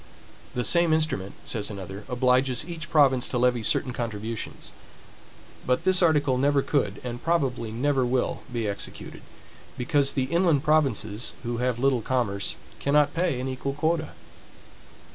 The same instrument, says another, obliges each province to levy certain contributions; but this article never could, and probably never will, be executed; because the inland provinces, who have little commerce, cannot pay an equal quota.